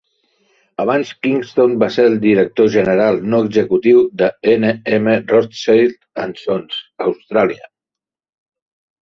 Abans Kingston va ser director general no executiu de N M Rothschild and Sons Australia.